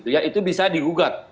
ya itu bisa diugat